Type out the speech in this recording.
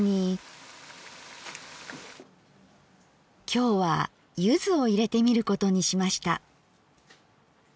きょうは柚子を入れてみることにしました。